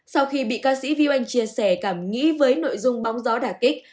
sau khi bị ca sĩ viu anh chia sẻ cảm nghĩ với nội dung bóng gió đà kích